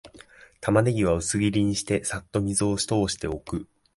タマネギは薄切りにして、さっと水を通しておく